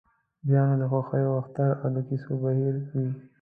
بیا نو د خوښیو اختر او د کیسو بهیر وي.